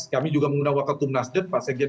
kami juga mengundang wakil tum nasdem pak sekjen